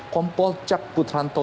kompol cap puterantol